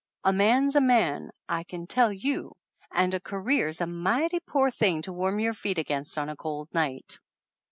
"A man's a man, I can tell you; and a career's a mighty pore thing to warm your feet against on a cold night!"